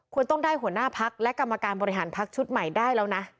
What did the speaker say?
ต้องได้หัวหน้าพักและกรรมการบริหารพักชุดใหม่ได้แล้วนะ